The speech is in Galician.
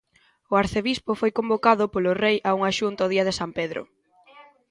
O arcebispo foi convocado polo rei a unha xunta o día de San Pedro.